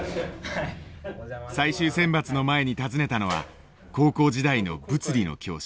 最終選抜の前に訪ねたのは高校時代の物理の教師